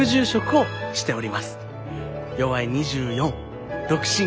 よわい２４独身。